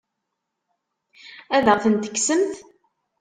Ad aɣ-ten-tekksemt?